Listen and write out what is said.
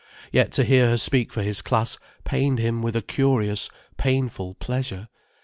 Yet to hear her speak for his class pained him with a curious, painful pleasure.